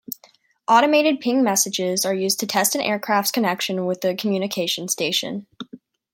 Automated ping messages are used to test an aircraft's connection with the communication station.